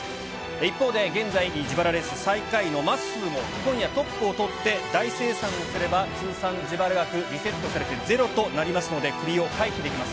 一方で、現在自腹レース最下位のまっすーも、今夜、トップを取って大精算をすれば、通算自腹額リセットされてゼロとなりますので、クビを回避できます。